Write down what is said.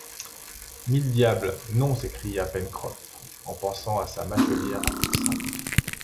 Mille diables, non s’écria Pencroff, en pensant à sa mâchelière absente.